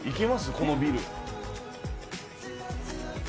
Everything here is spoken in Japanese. このビル。